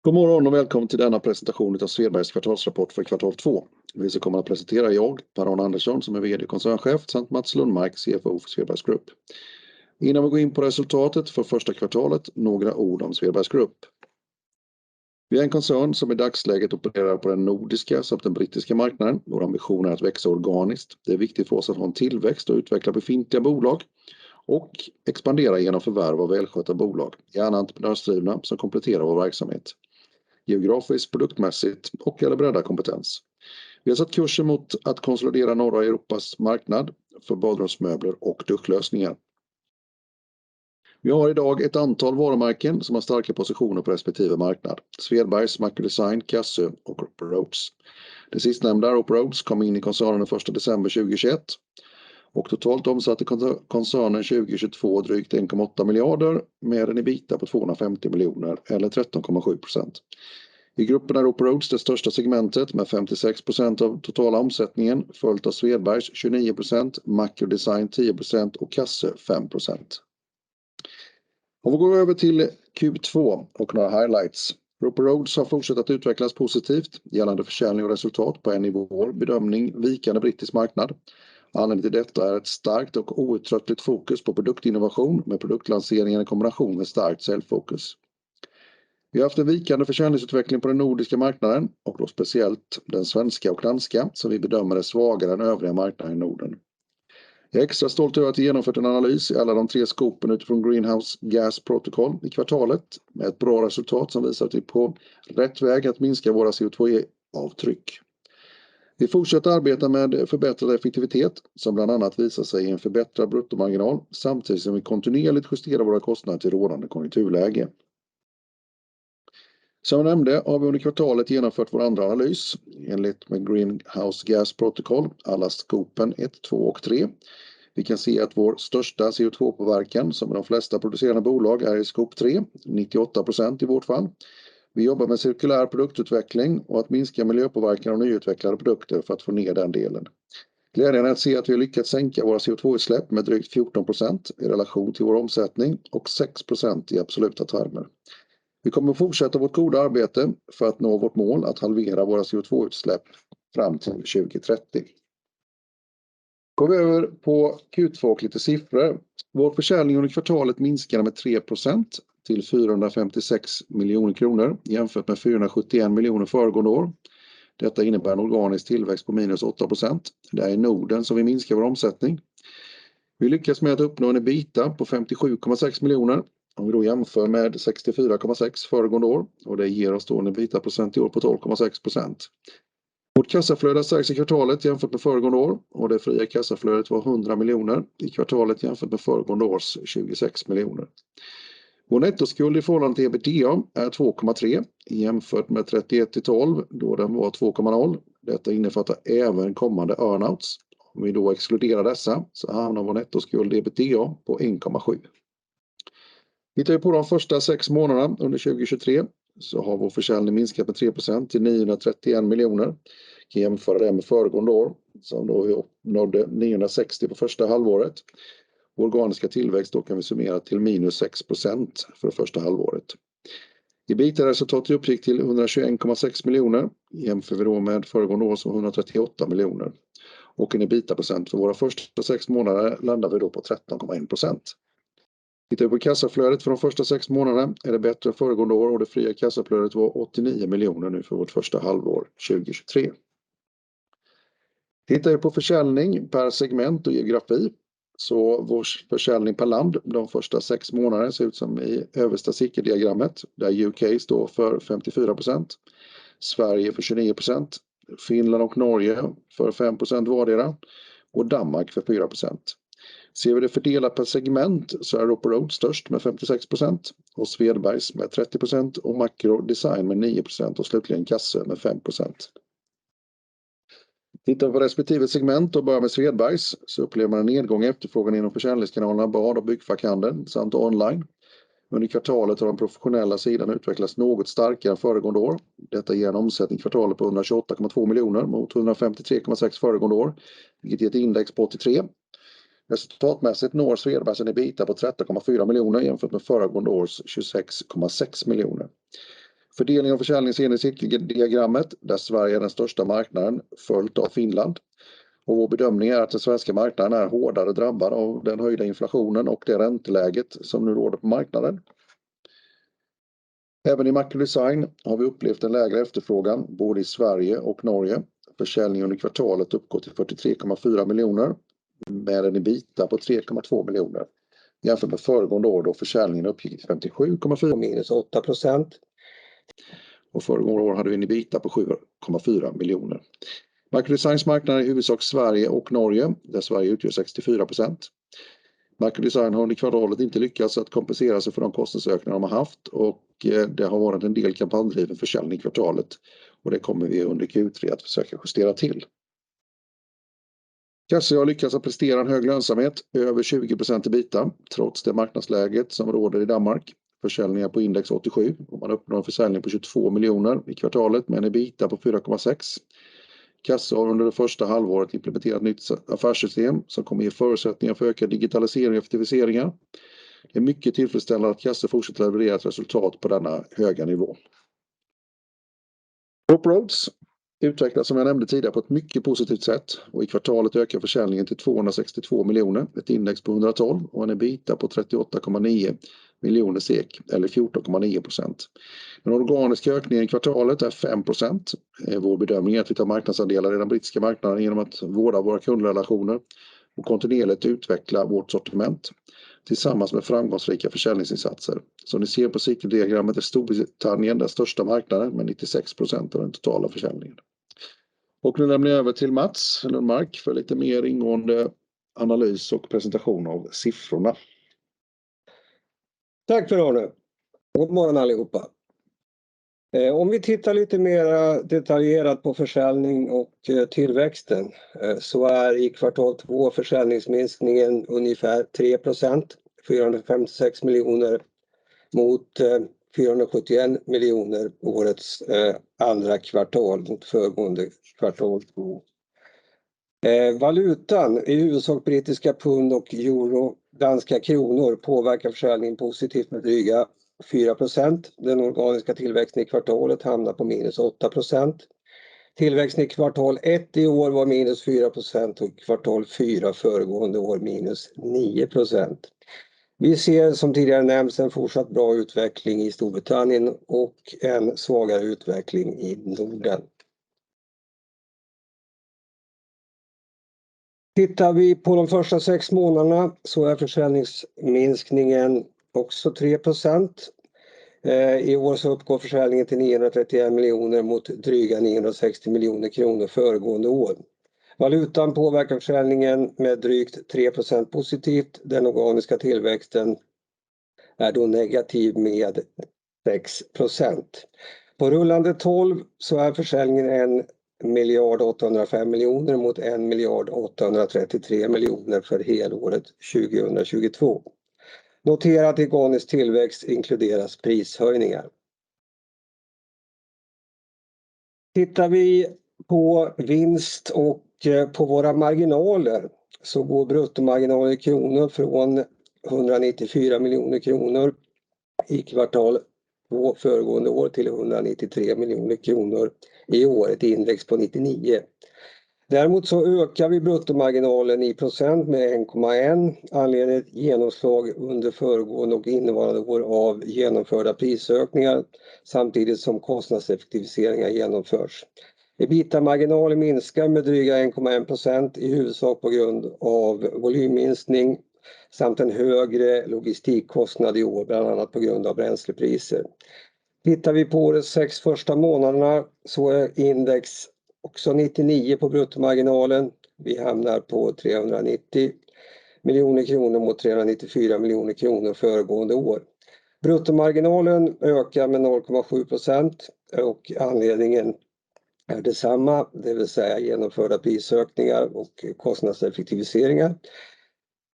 God morgon och välkommen till denna presentation utav Svedbergs kvartalsrapport för kvartal två. Vi som kommer att presentera är jag, Per-Arne Andersson, som är VD och koncernchef, samt Mats Lundmark, CFO för Svedbergs Group. Innan vi går in på resultatet för första kvartalet, några ord om Svedbergs Group. Vi är en koncern som i dagsläget opererar på den nordiska samt den brittiska marknaden. Vår ambition är att växa organiskt. Det är viktigt för oss att ha en tillväxt och utveckla befintliga bolag och expandera igenom förvärv av välskötta bolag. Gärna entreprenörsdrivna som kompletterar vår verksamhet. Geografiskt, produktmässigt och eller breddar kompetens. Vi har satt kursen mot att konsolidera norra Europas marknad för badrumsmöbler och duschlösningar. Vi har i dag ett antal varumärken som har starka positioner på respektive marknad: Svedbergs, Macro Design, Cassøe och Roper Rhodes. Det sistnämnda, Roper Rhodes, kom in i koncernen den 1 December 2021 och totalt omsatte koncernen 2022 drygt SEK 1.8 billion med en EBITDA på SEK 250 million eller 13.7%. I gruppen är Roper Rhodes det största segmentet med 56% av totala omsättningen, följt av Svedbergs 29%, Macro Design 10% och Cassøe 5%. Om vi går över till Q2 och några highlights. Roper Rhodes har fortsatt att utvecklas positivt gällande försäljning och resultat på en nivå vår bedömning, vikande British marknad. Anledningen till detta är ett starkt och outtröttligt fokus på produktinnovation med produktlanseringen i kombination med starkt säljfokus. Vi har haft en vikande försäljningsutveckling på den Nordic marknaden och då speciellt den Swedish och Danish, som vi bedömer är svagare än övriga marknaden i Norden. Jag är extra stolt över att vi genomfört en analys i alla de 3 Scope utifrån Greenhouse Gas Protocol i kvartalet, med ett bra resultat som visar att vi är på rätt väg att minska våra CO2-avtryck. Vi fortsätter att arbeta med förbättrad effektivitet, som bland annat visar sig i en förbättrad bruttomarginal, samtidigt som vi kontinuerligt justerar våra kostnader till rådande konjunkturläge. Som jag nämnde, har vi under kvartalet genomfört vår andra analys enligt Greenhouse Gas Protocol, alla Scope 1, 2 och 3. Vi kan se att vår största CO2-påverkan, som de flesta producerande bolag, är i Scope 3, 98% i vårt fall. Vi jobbar med cirkulär produktutveckling och att minska miljöpåverkan av nyutvecklade produkter för att få ner den delen. Glädjande att se att vi har lyckats sänka våra CO2-utsläpp med drygt 14% i relation till vår omsättning och 6% i absoluta termer. Vi kommer att fortsätta vårt goda arbete för att nå vårt mål att halvera våra CO2-utsläpp fram till 2030. Går vi över på Q2 och lite siffror. Vår försäljning under kvartalet minskade med 3% till SEK 456 million, jämfört med SEK 471 million föregående år. Detta innebär en organisk tillväxt på -8%. Det är i Norden som vi minskar vår omsättning. Vi lyckas med att uppnå en EBITDA på SEK 57.6 million. Om vi då jämför med SEK 64.6 föregående år och det ger oss då en EBITDA-procent i år på 12.6%. Vårt kassaflöde stärks i kvartalet jämfört med föregående år och det fria kassaflödet var SEK 100 million i kvartalet jämfört med föregående års SEK 26 million. Vår nettoskuld i förhållande till EBITDA är 2.3, jämfört med 31 to 12, då den var 2.0. Detta innefattar även kommande earnouts. Om vi då exkluderar dessa, hamnar vår nettoskuld EBITDA på 1.7. Tittar vi på de första sex månaderna under 2023, har vår försäljning minskat med 3% till SEK 931 million. Vi kan jämföra det med föregående år, som då nådde SEK 960 million på första halvåret. Vår organiska tillväxt då kan vi summera till -6% för det första halvåret. EBITDA-resultatet uppgick till SEK 121.6 million. Jämför vi då med föregående års SEK 138 million och en EBITDA % för våra första sex månader landar vi då på 13.1%. Tittar vi på kassaflödet för de första sex månaderna är det bättre än föregående år och det fria kassaflödet var SEK 89 million nu för vårt första halvår 2023. Tittar vi på försäljning per segment och geografi, så vår försäljning per land de första sex månaderna ser ut som i översta sifferdiagrammet, där UK står för 54%, Sverige för 29%, Finland och Norge för 5% vardera och Danmark för 4%. Ser vi det fördelat per segment så är Roper Rhodes störst med 56% och Svedbergs med 30% och Macro Design med 9% och slutligen Cassøe med 5%. Tittar vi på respektive segment och börjar med Svedbergs, så upplever man en nedgång i efterfrågan inom försäljningskanalerna bad- och byggfackhandeln samt online. Under kvartalet har den professionella sidan utvecklats något starkare än föregående år. Detta ger en omsättning i kvartalet på SEK 182.2 million mot SEK 153.6 million föregående år, vilket ger ett index på 83. Resultatmässigt når Svedbergs en EBITDA på SEK 13.4 million jämfört med föregående års SEK 26.6 million. Fördelningen av försäljningen ser ni i cirkeldiagrammet, där Sverige är den största marknaden, följt av Finland. Vår bedömning är att den svenska marknaden är hårdare drabbad av den höjda inflationen och det ränteläget som nu råder på marknaden. Även i Macro Design har vi upplevt en lägre efterfrågan, både i Sverige och Norge. Försäljningen under kvartalet uppgår till SEK 43.4 million med en EBITDA på SEK 3.2 million. Jämfört med föregående år, då försäljningen uppgick i SEK 57.4 million, minus 8%. Föregående år hade vi en EBITDA på SEK 7.4 million. Macro Designs marknad är i huvudsak Sverige och Norge, där Sverige utgör 64%. Macro Design har under kvartalet inte lyckats att kompensera sig för de kostnadsökningar de har haft och det har varit en del kampanjdriven försäljning i kvartalet och det kommer vi under Q3 att försöka justera till. Cassøe har lyckats att prestera en hög lönsamhet, över 20% i EBITDA, trots det marknadsläget som råder i Denmark. Försäljningen på index 87. Man uppnår en försäljning på SEK 22 million i kvartalet med en EBITDA på SEK 4.6 million. Cassøe har under det first half implementerat nytt affärssystem som kommer ge förutsättningar för ökad digitalisering och effektiviseringar. Det är mycket tillfredsställande att Cassøe fortsätter levererat resultat på denna höga nivå. Roper Rhodes utvecklas som jag nämnde tidigare på ett mycket positivt sätt och i kvartalet ökar försäljningen till SEK 262 million, ett index på 112 och en EBITA på SEK 38.9 million eller 14.9%. Den organiska ökningen i kvartalet är 5%. Det är vår bedömning att vi tar marknadsandelar i den brittiska marknaden igenom att vårda våra kundrelationer och kontinuerligt utveckla vårt sortiment tillsammans med framgångsrika försäljningsinsatser. Som ni ser på cykeldiagrammet är Storbritannien den största marknaden med 96% av den totala försäljningen. Nu lämnar jag över till Mats Lundmark för lite mer ingående analys och presentation av siffrorna. Tack för det Arne. God morgon allihopa! Om vi tittar lite mera detaljerat på försäljning och tillväxten så är i Q2 försäljningsminskningen ungefär 3%, SEK 456 million mot SEK 471 million this year's Q2 mot previous Q2. Valutan, i huvudsak British pounds och euros, Danish kroner, påverkar försäljningen positivt med dryga 4%. Den organiska tillväxten i kvartalet hamnar på -8%. Tillväxten i Q1 i år var -4% och Q4 föregående år -9%. Vi ser, som tidigare nämnt, en fortsatt bra utveckling i United Kingdom och en svagare utveckling i Nordic region. Tittar vi på de first six months så är försäljningsminskningen också 3%. I år så uppgår försäljningen till SEK 931 million mot dryga SEK 960 million föregående år. Valutan påverkar försäljningen med drygt 3% positivt. Den organiska tillväxten är då negativ med 6%. På rullande tolv så är försäljningen SEK 1,805 million mot SEK 1,833 million för helåret 2022. Notera att i organisk tillväxt inkluderas prishöjningar. Tittar vi på vinst och på våra marginaler så går bruttomarginalen i kronor från SEK 194 million i Q2 föregående år till SEK 193 million i året, index på 99. Däremot så ökar vi bruttomarginalen i procent med 1.1. Anledningen är ett genomslag under föregående och innevarande år av genomförda prisökningar, samtidigt som kostnadseffektiviseringar genomförs. EBITA-marginalen minskar med dryga 1.1%, i huvudsak på grund av volymminskning samt en högre logistikkostnad i år, bland annat på grund av bränslepriser. Tittar vi på årets first 6 months så är index också 99 på bruttomarginalen. Vi hamnar på SEK 390 million mot SEK 394 million föregående år. Bruttomarginalen ökar med 0.7%. Anledningen är detsamma, det vill säga genomförda prisökningar och kostnadseffektiviseringar.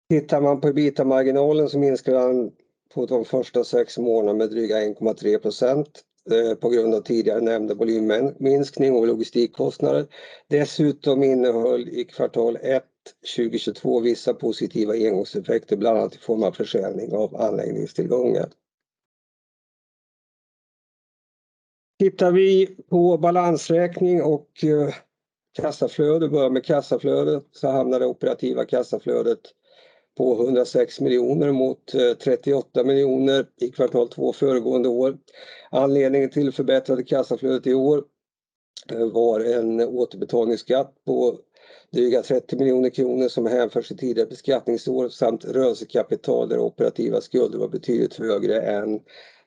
Tittar man på EBITA-marginalen så minskar den på de första sex månaderna med dryga 1.3% på grund av tidigare nämnda volymminskning och logistikkostnader. Dessutom innehöll i kvartal ett 2022 vissa positiva engångseffekter, bland annat i form av försäljning av anläggningstillgångar. Tittar vi på balansräkning och kassaflöde, börjar med kassaflödet, så hamnar det operativa kassaflödet på SEK 106 million mot SEK 38 million i kvartal två föregående år. Anledningen till förbättrade kassaflödet i år var en återbetalningsskatt på dryga SEK 30 million som hänför sig tidigare beskattningsår samt rörelsekapital där operativa skulder var betydligt högre än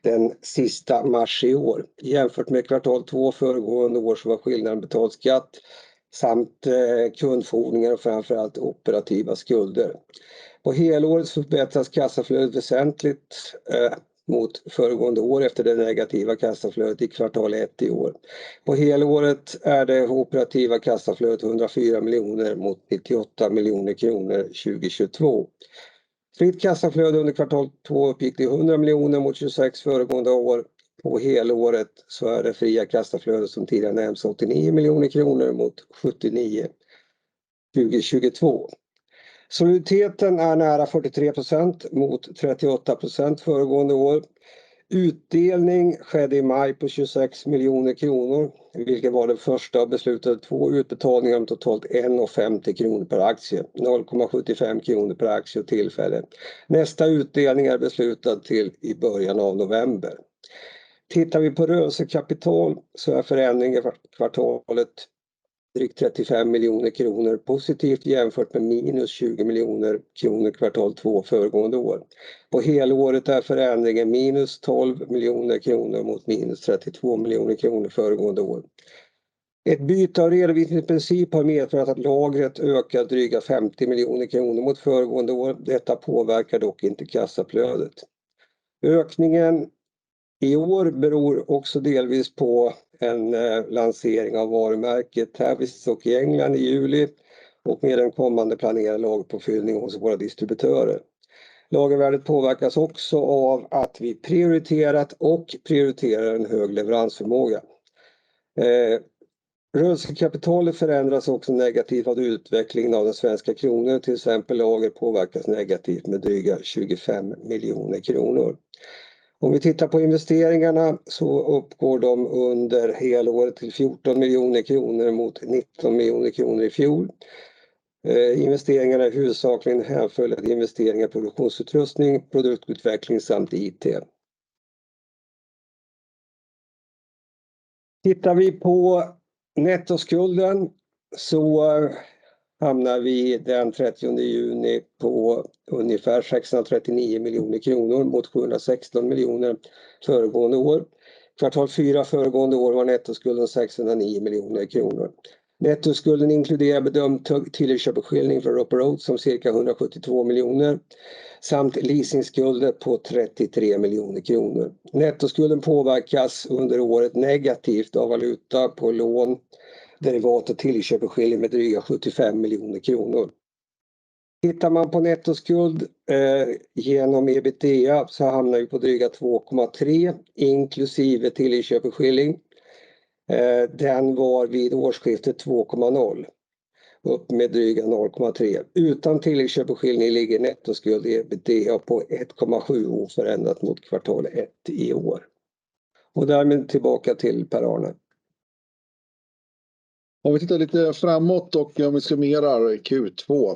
den sista mars i år. Jämfört med kvartal två föregående år var skillnaden betald skatt samt kundfordringar och framför allt operativa skulder. På helåret förbättras kassaflödet väsentligt mot föregående år efter det negativa kassaflödet i Q1 i år. På helåret är det operativa kassaflödet SEK 104 million mot SEK 98 million 2022. Fritt kassaflöde under Q2 uppgick till SEK 100 million mot SEK 26 million föregående år. På helåret är det fria kassaflödet som tidigare nämnts SEK 89 million mot SEK 79 million 2022. Soliditeten är nära 43% mot 38% föregående år. Utdelning skedde i maj på SEK 26 million, vilket var den första av beslutade två utbetalningar om totalt SEK 1.50 per aktie, SEK 0.75 per aktie och tillfälle. Nästa utdelning är beslutad till i början av november. Tittar vi på rörelsekapital är förändringen för kvartalet drygt SEK 35 million, positivt jämfört med minus SEK 20 million Q2 föregående år. På helåret är förändringen minus SEK 12 million mot minus SEK 32 million föregående år. Ett byte av redovisningsprincip har medfört att lagret ökar dryga SEK 50 miljoner mot föregående år. Detta påverkar dock inte kassaflödet. Ökningen i år beror också delvis på en lansering av varumärket Tavistock och England i juli och med den kommande planerade lagpåfyllning hos våra distributörer. Lagervärdet påverkas också av att vi prioriterat och prioriterar en hög leveransförmåga. Rörelsekapitalet förändras också negativt av utvecklingen av den svenska kronor, till exempel lager påverkas negativt med dryga SEK 25 miljoner. Om vi tittar på investeringarna så uppgår de under helåret till SEK 14 miljoner mot SEK 19 miljoner i fjol. Investeringarna är huvudsakligen hänförligt investeringar, produktionsutrustning, produktutveckling samt IT. Tittar vi på nettoskulden så hamnar vi den 30 juni på ungefär SEK 639 miljoner mot SEK 716 miljoner föregående år. Kvartal fyra föregående år var nettoskulden SEK 609 miljoner. Nettoskulden inkluderar bedömt till köpeskilling för Roper Rhodes som cirka SEK 172 million samt leasingskuldet på SEK 33 million. Nettoskulden påverkas under året negativt av valuta på lån, derivat och tillköpeskilling med dryga SEK 75 million. Tittar man på nettoskuld igenom EBITDA så hamnar vi på dryga 2.3, inklusive till i köpeskilling. Den var vid årsskiftet 2.0, upp med dryga 0.3. Utan till i köpeskilling ligger nettoskuld i EBITDA på 1.7 oförändrat mot kvartal 1 i år. Därmed tillbaka till Per-Arne. Om vi tittar lite framåt och om vi summerar Q2.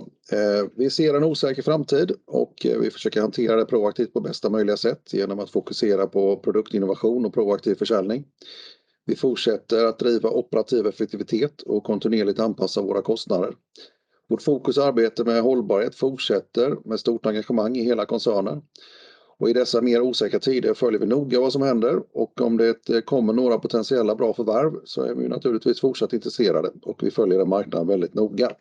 Vi ser en osäker framtid och vi försöker hantera det proaktivt på bästa möjliga sätt igenom att fokusera på produktinnovation och proaktiv försäljning. Vi fortsätter att driva operativ effektivitet och kontinuerligt anpassa våra kostnader. Vårt fokusarbetet med hållbarhet fortsätter med stort engagemang i hela koncernen. I dessa mer osäkra tider följer vi noga vad som händer och om det kommer några potentiella bra förvärv, så är vi naturligtvis fortsatt intresserade och vi följer den marknaden väldigt noga.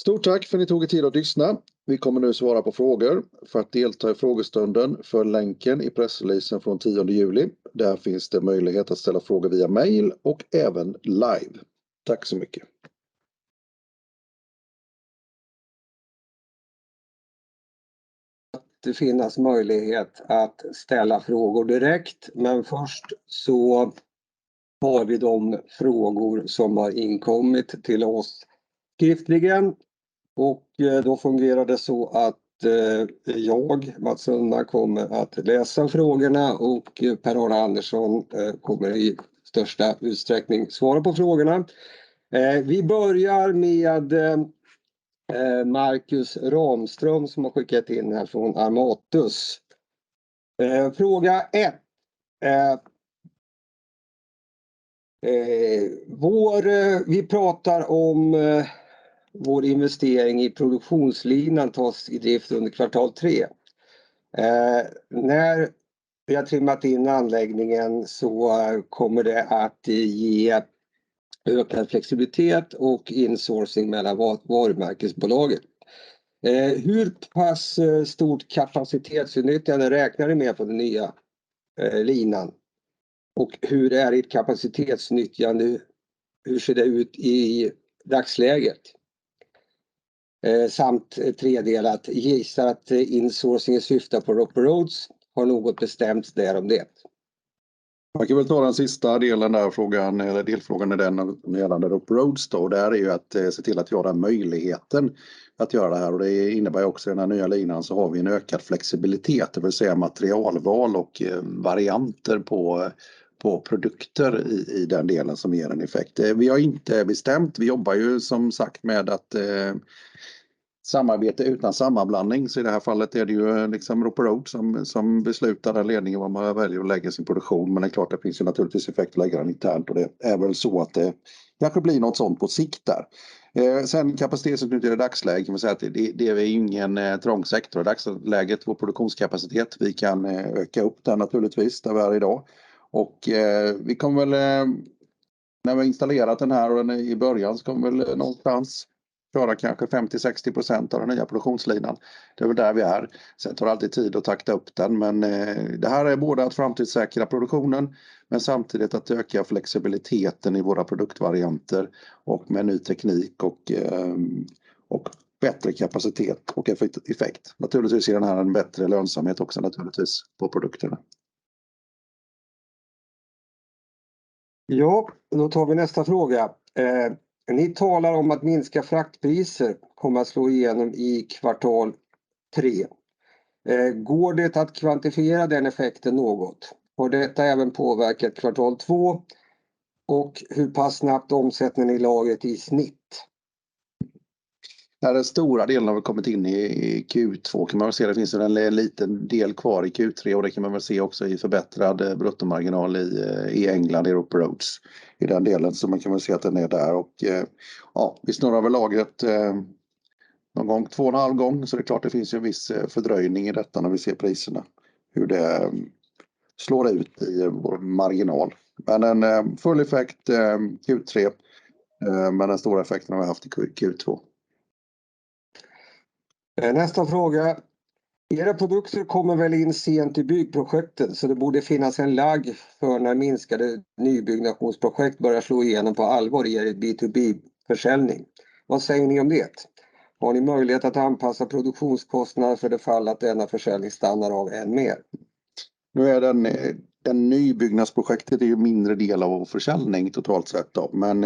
Stort tack för att ni tog tid att lyssna. Vi kommer nu svara på frågor. För att delta i frågestunden, följ länken i pressreleasen från 10th of July. Där finns det möjlighet att ställa frågor via mail och även live. Tack så mycket! Det finns möjlighet att ställa frågor direkt. Först så har vi de frågor som har inkommit till oss skriftligen och då fungerar det så att jag, Mats Lundmark, kommer att läsa frågorna och Per-Arne Andersson kommer i största utsträckning svara på frågorna. Vi börjar med Markus Ramström, som har skickat in här från Armatus. Fråga 1: Vi pratar om vår investering i produktionslinan tas i drift under kvartal 3. När vi har trimmat in anläggningen, det kommer att ge öppen flexibilitet och insourcing mellan varumärkesbolaget. Hur pass stort kapacitetsutnyttjande räknar du med för den nya linan? Hur är ditt kapacitetsnyttjande? Hur ser det ut i dagsläget? Samt tredjedelat, gissar att insourcingen syftar på Roper Rhodes har något bestämt därom det. Man kan väl ta den sista delen där frågan eller delfrågan är den gällande Roper Rhodes. Det här är ju att se till att jag har möjligheten att göra det här och det innebär också i den här nya linan så har vi en ökad flexibilitet, det vill säga materialval och varianter på produkter i den delen som ger en effekt. Vi har inte bestämt, vi jobbar ju som sagt med att samarbete utan sammanblandning. I det här fallet är det ju liksom Roper Rhodes som beslutar den ledningen om man väljer att lägga sin produktion. Det är klart, det finns ju naturligtvis effekt att lägga den internt och det är väl så att det kanske blir något sådant på sikt där. Kapacitetsutnyttjande i dagsläget, kan man säga att det är ingen trång sektor. I dagsläget, vår produktionskapacitet, vi kan öka upp den naturligtvis, där vi är i dag. Vi kommer väl, när vi installerat den här och den i början, så kommer väl någonstans köra kanske 50%, 60% av den nya produktionslinan. Det är väl där vi är. Tar det alltid tid att takta upp den, men det här är både att framtidssäkra produktionen, men samtidigt att öka flexibiliteten i våra produktvarianter och med ny teknik och bättre kapacitet och effekt. Naturligtvis ger den här en bättre lönsamhet också naturligtvis på produkterna. Ja, då tar vi nästa fråga. Ni talar om att minska fraktpriser kommer att slå igenom i Q3. Går det att kvantifiera den effekten något? Och detta även påverkat Q2. Och hur pass snabbt omsätter ni lagret i snitt? Den stora delen har kommit in i Q2. Det finns en liten del kvar i Q3 och det kan man väl se också i förbättrad bruttomarginal i England, i Roper Rhodes, i den delen. Man kan väl se att den är där och ja, vi snurrar väl lagret någon gång 2.5 times. Det är klart, det finns en viss fördröjning i detta när vi ser priserna, hur det slår ut i vår marginal. Men en full effekt Q3, men den stora effekten har vi haft i Q2. Nästa fråga: era produkter kommer väl in sent i byggprojekten, så det borde finnas en lagg för när minskade nybyggnationsprojekt börja slå igenom på allvar i er B2B-försäljning. Vad säger ni om det? Har ni möjlighet att anpassa produktionskostnader för det fall att denna försäljning stannar av än mer? Nu är den nybyggnadsprojektet är ju en mindre del av vår försäljning totalt sett då, men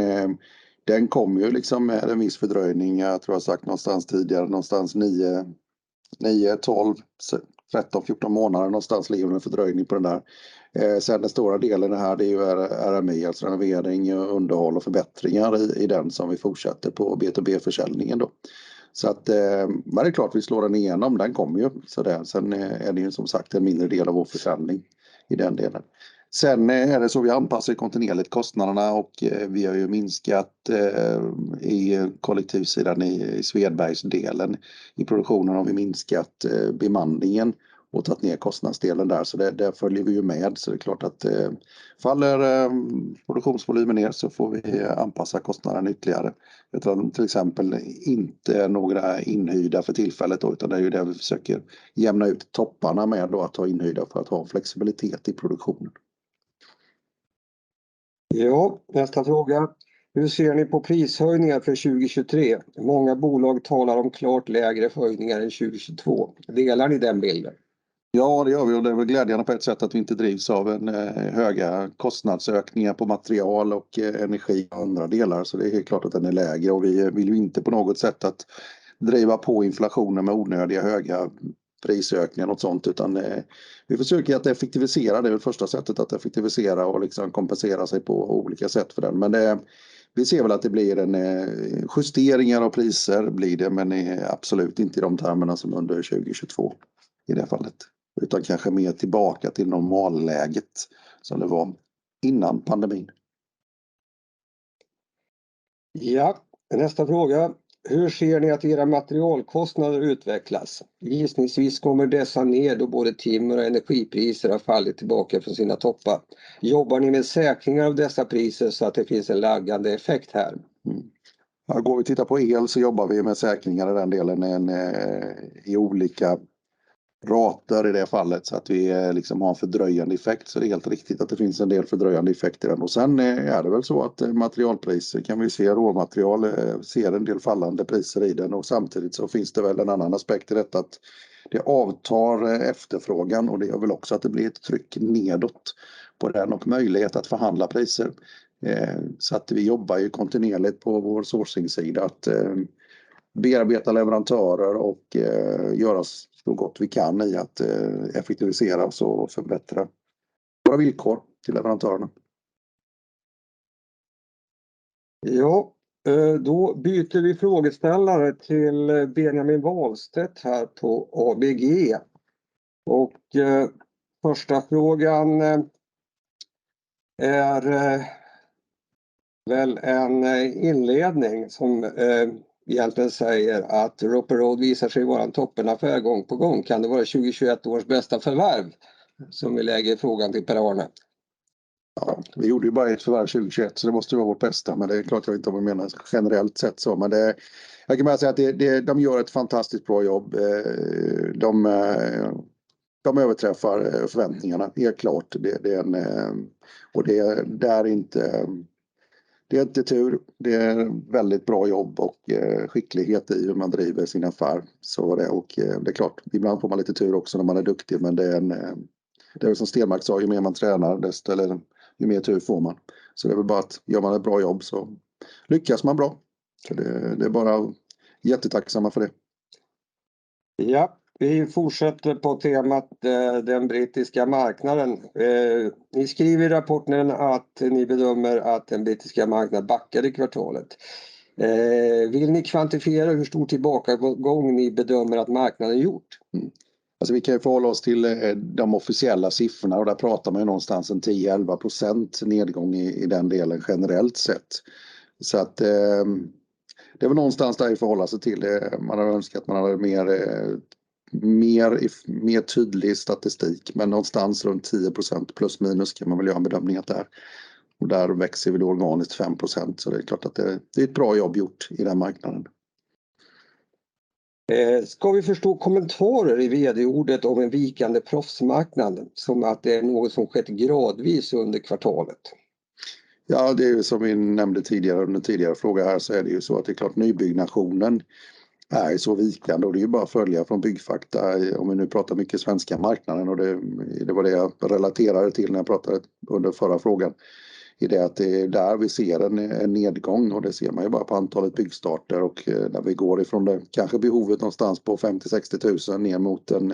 den kommer ju liksom med en viss fördröjning. Jag tror jag har sagt någonstans tidigare, någonstans nio, 12, 13, 14 månader, någonstans ligger med en fördröjning på den där. Den stora delen det här, det är ju RMI, alltså renovering, underhåll och förbättringar i den som vi fortsätter på B2B-försäljningen då. Det är klart, vi slår den igenom, den kommer ju. Är det ju som sagt en mindre del av vår försäljning i den delen. Är det så vi anpassar kontinuerligt kostnaderna och vi har ju minskat i kollektivsidan i Svedbergsdelen. I produktionen har vi minskat bemanningen och tagit ner kostnadsdelen där följer vi ju med. Det är klart att faller produktionsvolymen ner så får vi anpassa kostnaden ytterligare. Vi tar till exempel inte några inhyrda för tillfället, utan det är ju det vi försöker jämna ut topparna med då att ta inhyrda för att ha flexibilitet i produktionen. Ja, nästa fråga. Hur ser ni på prishöjningar för 2023? Många bolag talar om klart lägre höjningar än 2022. Delar ni den bilden? Ja, det gör vi och det är väl glädjande på ett sätt att vi inte drivs av en höga kostnadsökningar på material och energi och andra delar. Det är klart att den är lägre och vi vill ju inte på något sätt att driva på inflationen med onödiga höga prisökningar, något sådant, utan vi försöker att effektivisera. Det är väl första sättet att effektivisera och liksom kompensera sig på olika sätt för den. Det, vi ser väl att det blir en justeringar av priser blir det, men absolut inte i de termerna som under 2022 i det fallet, utan kanske mer tillbaka till normalläget som det var innan pandemin. Ja, nästa fråga: Hur ser ni att era materialkostnader utvecklas? Gissningsvis kommer dessa ned då både timmer och energipriser har fallit tillbaka från sina toppar. Jobbar ni med säkringar av dessa priser så att det finns en laggande effekt här? Går vi och tittar på el så jobbar vi med säkringar i den delen, men i olika rates i det fallet så att vi liksom har en fördröjande effekt. Det är helt riktigt att det finns en del fördröjande effekt i den. Sen är det väl så att materialpriser kan vi se, råmaterial, ser en del fallande priser i den och samtidigt så finns det väl en annan aspekt i detta, att det avtar efterfrågan och det gör väl också att det blir ett tryck nedåt på den och möjlighet att förhandla priser. Vi jobbar ju kontinuerligt på vår sourcing side, att bearbeta leverantörer och göra så gott vi kan i att effektivisera oss och förbättra våra villkor till leverantörerna. Ja, då byter vi frågeställare till Benjamin Wahlstedt här på ABG. Första frågan är väl en inledning som egentligen säger att Roper Rhodes visar sig vara en toppenaffär gång på gång. Kan det vara 2021 års bästa förvärv? Som vi lägger frågan till Per-Arne. Vi gjorde ju bara ett förvärv 2021, så det måste vara vårt bästa, men det är klart jag vet inte om vi menar generellt sett så. Jag kan bara säga att de gör ett fantastiskt bra jobb. De överträffar förväntningarna, helt klart. Det är en... Det är inte tur, det är väldigt bra jobb och skicklighet i hur man driver sin affär. Det är klart, ibland får man lite tur också när man är duktig, men det är som Stenmark sa, ju mer man tränar, desto eller ju mer tur får man. Det är väl bara att gör man ett bra jobb så lyckas man bra. Det är bara jättetacksamma för det. Vi fortsätter på temat den brittiska marknaden. Ni skriver i rapporten att ni bedömer att den brittiska marknaden backade kvartalet. Vill ni kvantifiera hur stor tillbakagång ni bedömer att marknaden gjort? Vi kan ju förhålla oss till de officiella siffrorna och där pratar man någonstans en 10-11% nedgång i den delen generellt sett. Det var någonstans där att förhålla sig till. Man hade önskat att man hade mer tydlig statistik, någonstans runt 10% ± kan man väl göra en bedömning att det är. Där växer vi organiskt 5%, så det är klart att det är ett bra jobb gjort i den marknaden. Ska vi förstå kommentarer i vd-ordet om en vikande proffsmarknad, som att det är något som skett gradvis under kvartalet? Ja, det är som vi nämnde tidigare under den tidigare frågan här, så är det ju så att det är klart nybyggnationen är ju så vikande och det är bara att följa från Byggfakta. Om vi nu pratar mycket svenska marknaden och det var det jag relaterade till när jag pratade under förra frågan. I det att det är där vi ser en nedgång och det ser man ju bara på antalet byggstarter och när vi går ifrån det, kanske behovet någonstans på 50,000-60,000 ner mot en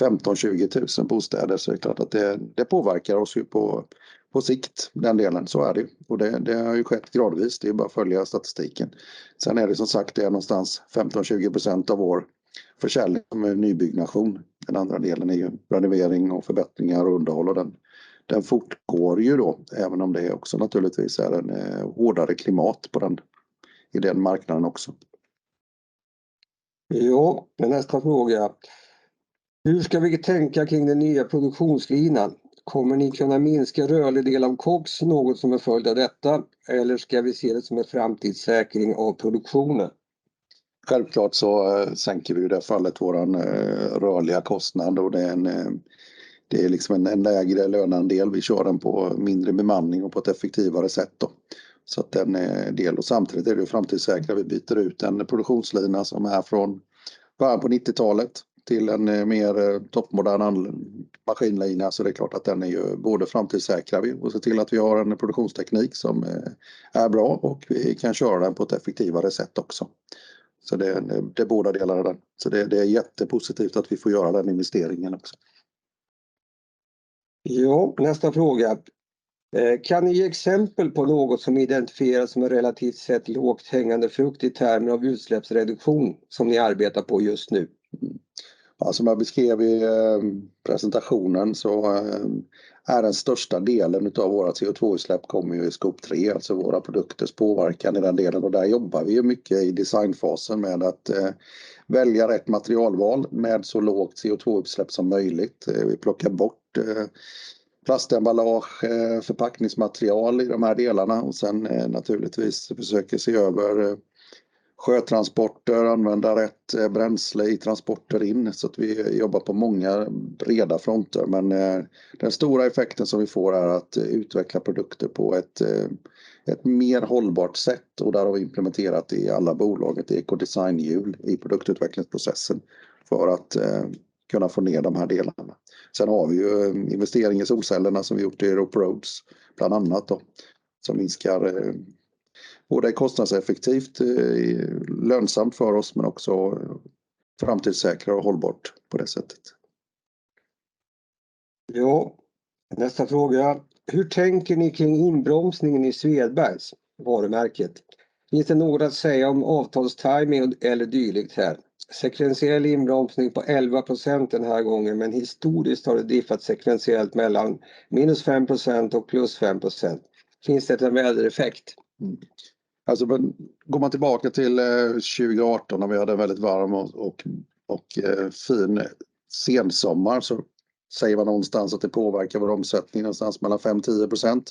15,000-20,000 bostäder, så är det klart att det påverkar oss ju på sikt. Den delen, så är det ju. Det har ju skett gradvis, det är bara att följa statistiken. Det är som sagt, det är någonstans 15%-20% av vår försäljning med nybyggnation. Den andra delen är ju renovering och förbättringar och underhåll och den fortgår ju då, även om det också naturligtvis är en hårdare klimat på den, i den marknaden också. Nästa fråga: Hur ska vi tänka kring den nya produktionslinan? Kommer ni kunna minska rörlig del av KOK så något som är följd av detta? Eller ska vi se det som en framtidssäkring av produktionen? Självklart sänker vi i det fallet vår rörliga kostnad och det är liksom en lägre löneandel. Vi kör den på mindre bemanning och på ett effektivare sätt då. Den är en del och samtidigt är det ju framtidssäkra. Vi byter ut en produktionslina som är från början på 90-talet till en mer toppmodern maskinlina. Det är klart att den är ju, både framtidssäkrar vi och ser till att vi har en produktionsteknik som är bra och vi kan köra den på ett effektivare sätt också. Det är båda delar av den. Det är jättepositivt att vi får göra den investeringen också. Ja, nästa fråga. Kan ni ge exempel på något som identifieras som en relativt sett lågt hängande frukt i termen av utsläppsreduktion som ni arbetar på just nu? Som jag beskrev i presentationen så är den största delen utav våra CO₂-utsläpp kommer i Scope 3, alltså våra produkters påverkan i den delen. Där jobbar vi mycket i designfasen med att välja rätt materialval med så låg CO₂-utsläpp som möjligt. Vi plockar bort plastemballage, förpackningsmaterial i de här delarna och sedan naturligtvis försöker se över sjötransporter, använda rätt bränsle i transporter in. Vi jobbar på många breda fronter, men den stora effekten som vi får är att utveckla produkter på ett mer hållbart sätt och där har vi implementerat i alla bolaget, i Ekodesignhjulet, i produktutvecklingsprocessen för att kunna få ner de här delarna. Har vi ju investeringen i solcellerna som vi gjort i Roper Rhodes, bland annat då, som minskar. Både är kostnadseffektivt, lönsamt för oss, men också framtidssäkrare och hållbart på det sättet. Nästa fråga: Hur tänker ni kring inbromsningen i Svedbergs varumärket? Finns det något att säga om avtalstajming eller dylikt här? Sekventiell inbromsning på 11% den här gången, men historiskt har det diffat sekventiellt between -5% and +5%. Finns det en vädereffekt? Går man tillbaka till 2018 när vi hade en väldigt varm och fin sensommar, säger man någonstans att det påverkar vår omsättning någonstans mellan 5-10%.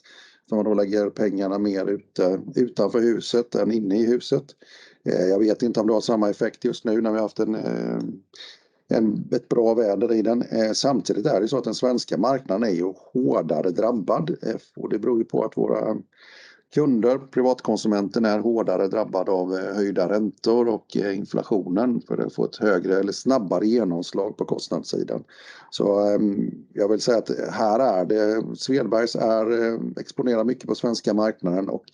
Man då lägger pengarna mer ute, utanför huset än inne i huset. Jag vet inte om det har samma effekt just nu när vi haft ett bra väder i den. Det är så att den svenska marknaden är ju hårdare drabbad och det beror på att våra kunder, privatkonsumenten, är hårdare drabbad av höjda räntor och inflationen för att få ett högre eller snabbare genomslag på kostnadssidan. Jag vill säga att Svedbergs är exponerat mycket på svenska marknaden och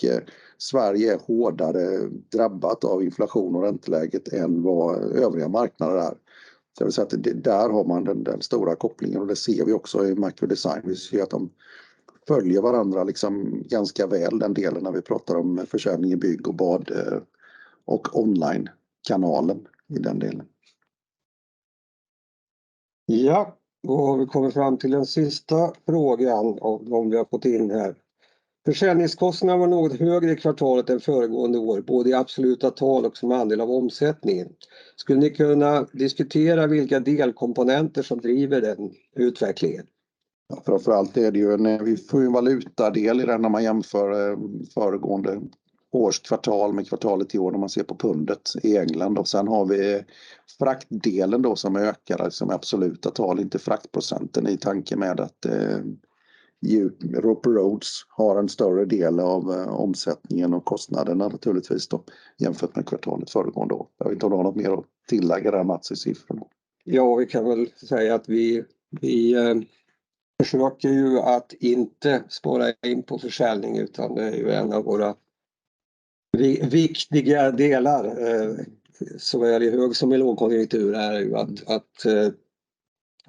Sverige är hårdare drabbat av inflation och ränteläget än vad övriga marknader är. Det vill säga att där har man den stora kopplingen och det ser vi också i Macro Design. Vi ser att de följer varandra liksom ganska väl, den delen när vi pratar om försäljning i bygg och bad och onlinekanalen i den delen. Vi har kommit fram till den sista frågan av de vi har fått in här. Försäljningskostnaderna var något högre i kvartalet än föregående år, både i absoluta tal och som andel av omsättningen. Skulle ni kunna diskutera vilka delkomponenter som driver den utvecklingen? Framför allt är det ju, vi får en valutadel i den när man jämför föregående årskvartal med kvartalet i år, när man ser på pundet i England. Sen har vi fraktdelen då, som ökar i absoluta tal, inte fraktprocenten, i tanke med att Roper Rhodes har en större del av omsättningen och kostnaderna naturligtvis då, jämfört med kvartalet föregående då. Jag vet inte om du har något mer att tillägga där, Mats, i siffrorna? Vi kan väl säga att vi försöker ju att inte spara in på försäljning, utan det är ju en av våra viktigare delar, såväl i hög som i lågkonjunktur, är ju att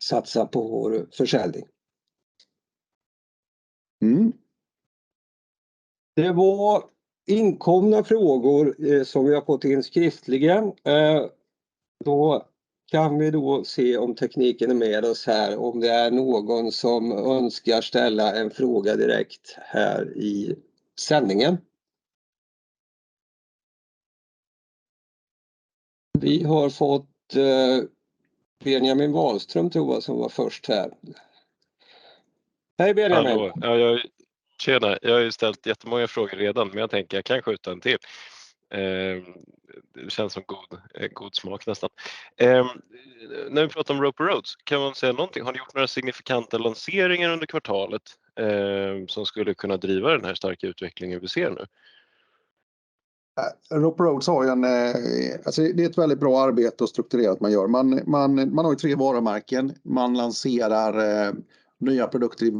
satsa på vår försäljning. Mm. Det var inkomna frågor som vi har fått in skriftligen. Kan vi då se om tekniken är med oss här, om det är någon som önskar ställa en fråga direkt här i sändningen. Vi har fått Benjamin Wahlstedt tror jag, som var först här. Hej Benjamin! Hallå, ja jag, tjena, jag har ju ställt jättemånga frågor redan, men jag tänker jag kan skjuta en till. Det känns som god smak nästan. När vi pratar om Roper Rhodes, kan man säga någonting? Har ni gjort några signifikanta lanseringar under kvartalet som skulle kunna driva den här starka utvecklingen vi ser nu? Roper Rhodes har ju en, alltså det är ett väldigt bra arbete och strukturerat man gör. Man har ju 3 varumärken. Man lanserar nya produkter i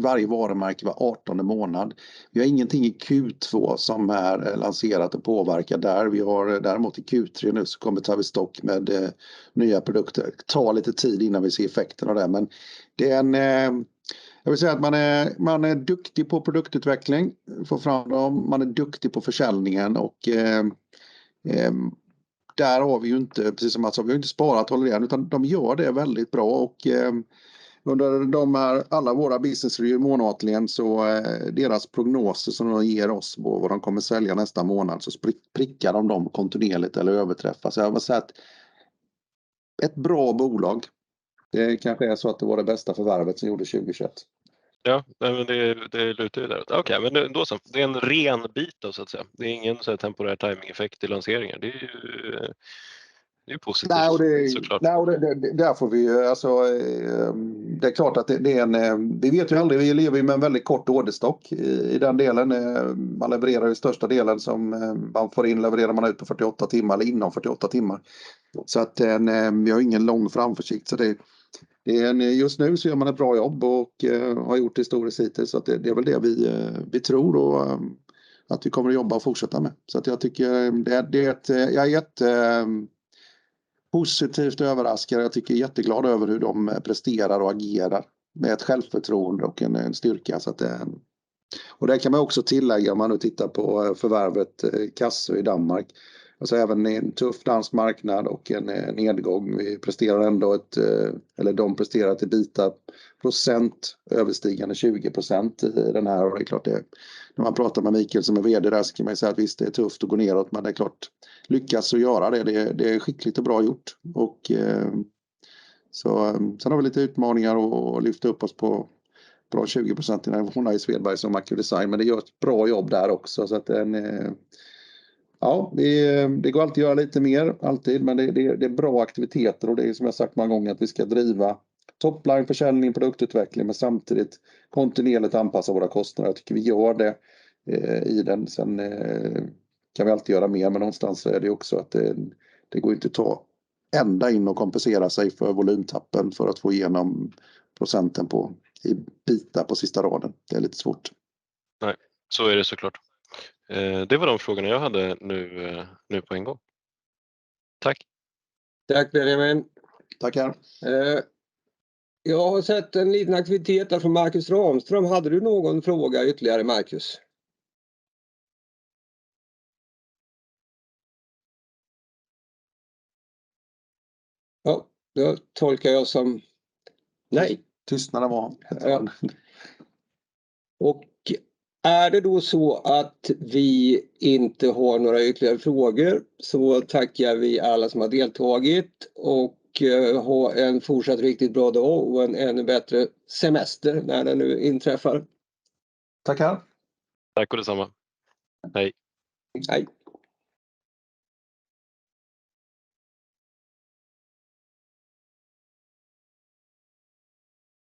varje varumärke var 18 månad. Vi har ingenting i Q2 som är lanserat och påverkar där. Vi har däremot i Q3 nu, så kommer Tavistock med nya produkter. Det tar lite tid innan vi ser effekten av det, men Jag vill säga att man är duktig på produktutveckling, få fram dem, man är duktig på försäljningen och där har vi ju inte, precis som Mats sa, vi har inte sparat hållhärden, utan de gör det väldigt bra. Under de här, alla våra business review månatligen, så deras prognoser som de ger oss på vad de kommer att sälja nästa månad, så prickar de dem kontinuerligt eller överträffar. Jag vill säga att ett bra bolag, det kanske är så att det var det bästa förvärvet vi gjorde 2021. Ja, det låter det där. Okej, då så. Det är en ren bit då så att säga. Det är ingen temporär tajmingeffekt i lanseringen. Det är positivt, så klart. Ja, och det, där får vi ju, alltså, det är klart att det är en, vi vet ju aldrig, vi lever ju med en väldigt kort orderstock i den delen. Man levererar ju största delen som man får in, levererar man ut på 48 timmar eller inom 48 timmar. Vi har ingen lång framförsikt, så det är just nu så gör man ett bra jobb och har gjort historiskt hittills. Det är väl det vi tror då att vi kommer att jobba och fortsätta med. Jag tycker det är ett, jag är jättepositivt överraskad. Jag tycker är jätteglad över hur de presterar och agerar med ett självförtroende och en styrka. Det kan man också tillägga om man nu tittar på förvärvet Cassøe i Danmark. Även i en tuff dansk marknad och en nedgång. Vi presterar ändå, eller de presterar EBITA procent överstigande 20% i den här. Det är klart, när man pratar med Michael som är VD där, så kan man ju säga att visst, det är tufft att gå neråt, det är klart, lyckas att göra det. Det är skickligt och bra gjort. Sen har vi lite utmaningar att lyfta upp oss på bra 20% i Svedbergs som Accudesign, det gör ett bra jobb där också. Ja, det går alltid att göra lite mer, alltid, det är bra aktiviteter och det är som jag sagt många gånger att vi ska driva top line försäljning, produktutveckling, samtidigt kontinuerligt anpassa våra kostnader. Jag tycker vi gör det i den. Kan vi alltid göra mer, någonstans så är det också att det går inte att ta ända in och kompensera sig för volymtappen för att få igenom procenten på, EBITA på sista raden. Det är lite svårt. Nej, så är det så klart. Det var de frågorna jag hade nu på en gång. Tack! Tack, Benjamin. Tackar. Jag har sett en liten aktivitet där från Markus Ramström. Hade du någon fråga ytterligare, Markus? Ja, det tolkar jag som... nej. Tystnaden var. Är det då så att vi inte har några ytterligare frågor, så tackar vi alla som har deltagit och ha en fortsatt riktigt bra dag och en ännu bättre semester när den nu inträffar. Tacka! Tack och detsamma. Hej. Hej!